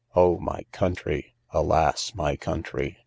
O, my Country! alas, my Country!